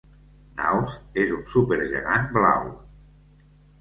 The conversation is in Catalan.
Naos és un supergegant blau.